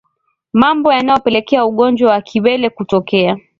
Mambo yanayopelekea ugonjwa wa kiwele kutokea